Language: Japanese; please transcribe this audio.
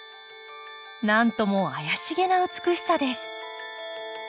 何ともあやしげな美しさです。